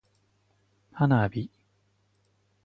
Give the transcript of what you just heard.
花火